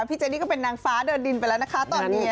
เจนี่ก็เป็นนางฟ้าเดินดินไปแล้วนะคะตอนนี้